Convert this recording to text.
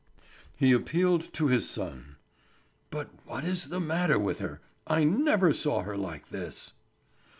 He appealed to his son. "But what is the matter with her? I never saw her like this."